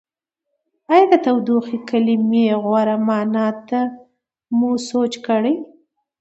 ایا د تودوخې کلمې غوره معنا ته مو سوچ کړی؟